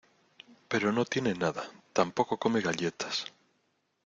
pero no tiene nada. tampoco come galletas .